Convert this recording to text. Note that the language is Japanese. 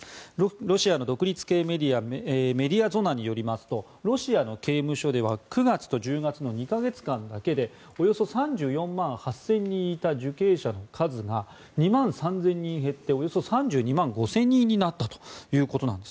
ロシアの独立系メディアメディアゾナによりますとロシアの刑務所では９月と１０月の２か月間だけでおよそ３４万８０００人いた受刑者の数が２万３０００人減っておよそ３２万５０００人になったということです。